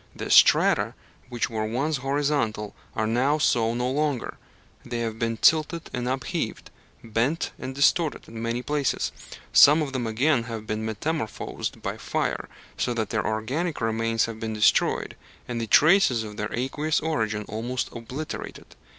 The strata which were once horizontal are now so no longer they have been tilted and upheaved, bent and distorted, in many places. Some of them again have been metamorphosed by fire, so that their organic remains have been destroyed, and the traces of their aqueous origin almost obliterated.